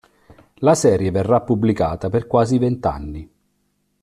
La serie verrà pubblicata per quasi venti anni.